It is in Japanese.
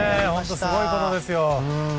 すごいことですよ。